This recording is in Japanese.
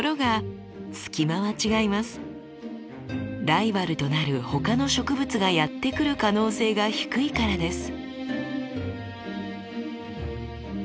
ライバルとなる他の植物がやって来る可能性が低いからです。